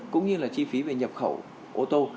cũng như là chi phí về nhập khẩu ô tô